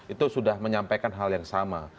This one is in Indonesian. itu sudah menyampaikan hal yang sama